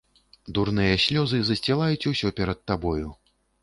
Дурныя слёзы засцілаюць усё перад табою.